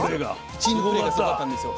チームプレーがすごかったんですよ。